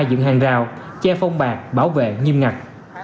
dựng hàng rào che phong bạc bảo vệ nghiêm ngặt